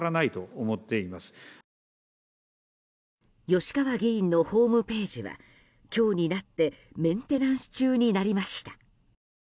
吉川議員のホームページは今日になってメンテナンス中になりました。